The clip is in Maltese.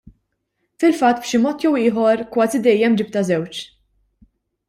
Fil-fatt b'xi mod jew ieħor kważi dejjem ġibtha żewġ.